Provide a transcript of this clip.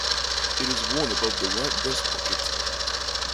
It is worn above the right breast pocket.